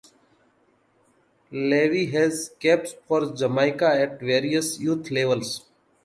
Levee has caps for Jamaica at various youth levels.